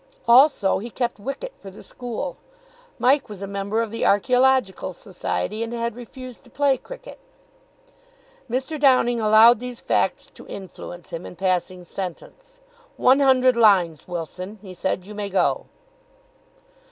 Also he kept wicket for the school. Mike was a member of the Archaeological Society, and had refused to play cricket. Mr. Downing allowed these facts to influence him in passing sentence. "One hundred lines, Wilson," he said. "You may go."